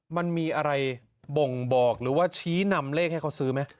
มันมีอะไรบ่งบอกหรือว่าชี้นำเลขให้เขาซื้อไหม